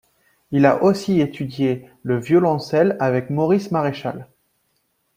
Il a aussi étudié le violoncelle avec Maurice Maréchal.